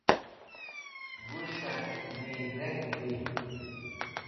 wush'em nidheng di